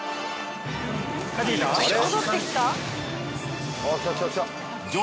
戻ってきた？